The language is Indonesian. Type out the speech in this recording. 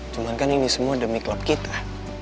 cuma kan ini semua demi klub kita